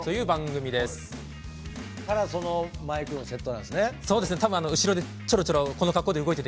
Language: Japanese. だから、そのマイクセットなんですね。